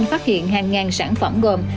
phát hiện hàng ngàn sản phẩm gồm